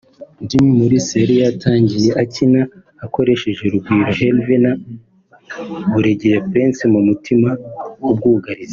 Jimmy Mulisa yari yatangiye akina akoresheje Rugwiro Herve na Buregeya Prince mu mutima w’ubwugarizi